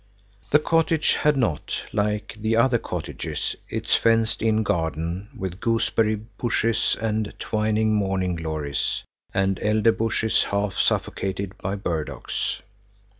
The cottage had not, like the other cottages, its fenced in garden with gooseberry bushes and twining morning glories and elder bushes half suffocated by burdocks.